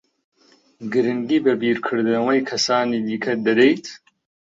گرنگی بە بیرکردنەوەی کەسانی دیکە دەدەیت؟